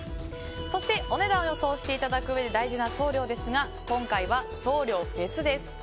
そしてお値段を予想していただくうえで大事な送料ですが今回は送料別です。